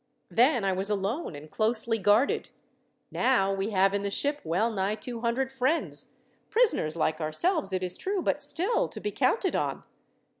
Then I was alone and closely guarded, now we have in the ship well nigh two hundred friends; prisoners like ourselves, it is true, but still to be counted on.